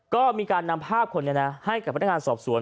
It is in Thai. ก็มีการนำภาพโดยที่นั้นให้กับพันธกาลสอบสวน